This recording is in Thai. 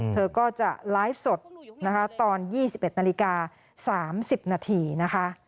เธอก็จะไลฟ์สดนะคะตอน๒๑นาฬิกา๓๐นาทีนะคะ